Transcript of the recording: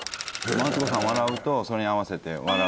マツコさん笑うとそれに合わせて笑う。